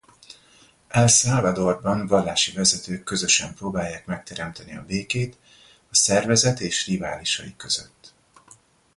El Salvadorban vallási vezetők közösen próbálják megteremteni a békét a szervezet és riválisai között.